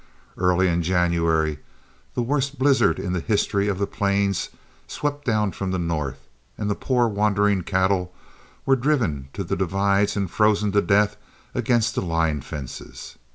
Early in January the worst blizzard in the history of the plains swept down from the north, and the poor wandering cattle were driven to the divides and frozen to death against the line fences.